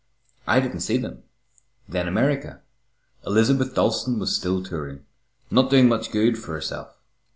I didn't see them. Then America. Elizabeth Dalstan was still touring, not doing much good for herself.